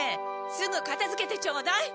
すぐ片付けてちょうだい。